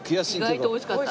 意外と美味しかった。